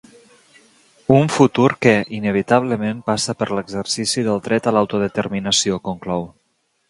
Un futur que inevitablement passa per l’exercici del dret a l’autodeterminació, conclou.